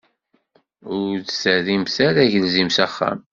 Ur d-terrimt ara agelzim s axxam.